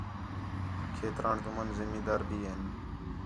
کھیتران تُمن زمی دار بھی ہین